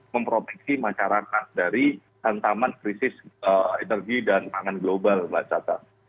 memproteksi masyarakat dari hantaman krisis energi dan pangan global mbak cata